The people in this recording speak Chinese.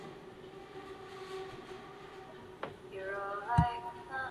短辐水芹是伞形科水芹属的植物。